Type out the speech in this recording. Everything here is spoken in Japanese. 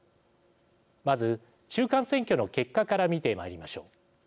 まず、中間選挙の結果から見てまいりましょう。